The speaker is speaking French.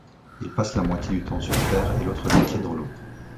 Ils passent la moitié du temps sur terre, et l'autre moitié dans l'eau.